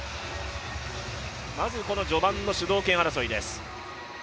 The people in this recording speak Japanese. まずこの序盤の主導権争いです。